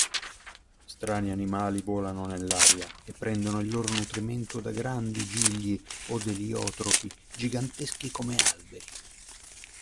Strani animali volano nell'aria, e prendono il loro nutrimento da grandi gigli od eliotropi, giganteschi come alberi.